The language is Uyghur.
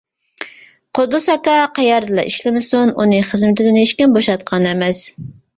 قۇددۇس ئاكا قەيەردىلا ئىشلىمىسۇن، ئۇنى خىزمىتىدىن ھېچكىم بوشاتقان ئەمەس.